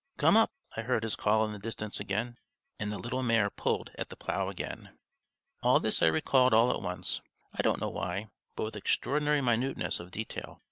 "Come up!" I heard his call in the distance again, and the little mare pulled at the plough again. All this I recalled all at once, I don't know why, but with extraordinary minuteness of detail.